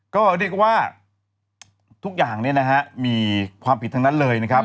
ก็เรียกว่าทุกอย่างมีความผิดทั้งนั้นเลยนะครับ